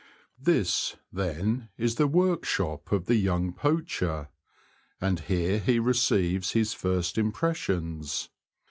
This, then, is the workshop of the young poacher, and here he receives his first im pressions.